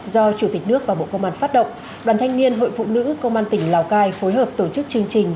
do chủ tịch nước và bộ công an phát động đoàn thanh niên hội phụ nữ công an tỉnh lào cai phối hợp tổ chức chương trình